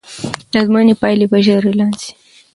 د ازموینې پایلې به ژر اعلان سي.